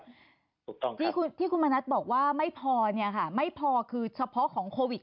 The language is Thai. ผมต้องการที่คุณที่คุณมาแล้วบอกว่าไม่พอเนี้ยค่ะไม่พอคือเฉพาะของเข้าวิทยุ